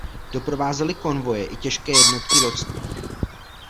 Doprovázely konvoje i těžké jednotky loďstva.